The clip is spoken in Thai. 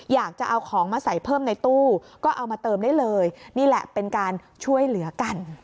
อยากจะเอาของมาใส่เพิ่มในตู้ก็เอามาเติมได้เลยนี่แหละเป็นการช่วยเหลือกัน